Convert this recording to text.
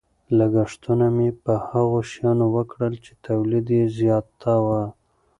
لګښتونه مې په هغو شیانو وکړل چې تولید یې زیاتاوه.